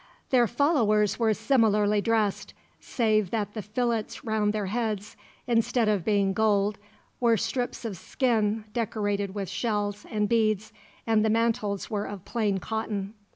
Their followers were similarly dressed, save that the fillets round their heads, instead of being gold, were strips of skin decorated with shells and beads, and the mantles were of plain cotton.